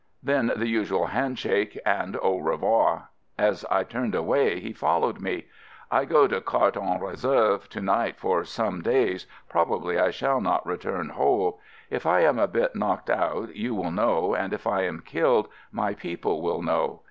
Then the usual handshake and au revoir. As I turned away, he followed me: — "I go to Quart en Reserve to night for some days — probably I shall not return whole. If I am a bit knocked out you will know, and if I am killed, my peo ple will know.